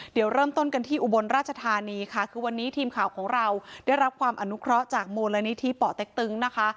เดี๋ยวเริ่มต้นกันที่อุบลราชธานีค่ะคือวันนี้ทีมข่าวของเราได้รับความอนุเคราะห์จากมูลนิธิป่อเต็กตึงนะคะ